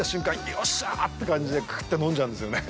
よっしゃーって感じでクーっと飲んじゃうんですよね。